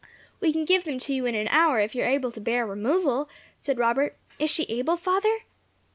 "We can give them to you in an hour, if you are able to bear removal," said Robert. "Is she able, father?"